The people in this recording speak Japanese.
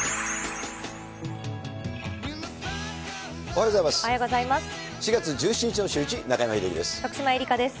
おはようございます。